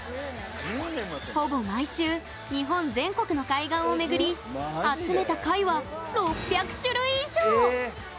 ほぼ毎週、日本全国の海岸を巡り集めた貝は６００種類以上！